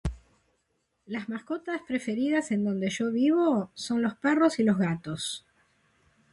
Las mascotas preferidas en donde yo vivo son los perros y los gatos.